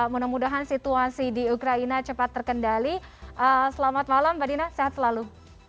mudah mudahan situasi di ukraina cepat terkendali selamat malam mbak dina sehat selalu